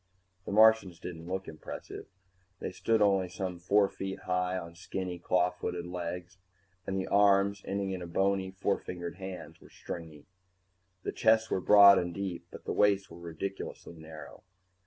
The Martians didn't look impressive. They stood only some four feet high on skinny, claw footed legs, and the arms, ending in bony four fingered hands, were stringy. The chests were broad and deep, but the waists were ridiculously narrow.